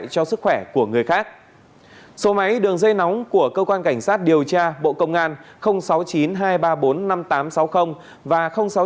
công máy đường dây nóng của cơ quan cảnh sát điều tra bộ công an sáu mươi chín hai trăm ba mươi bốn năm nghìn tám trăm sáu mươi và sáu mươi chín hai trăm ba mươi hai một nghìn sáu trăm sáu mươi bảy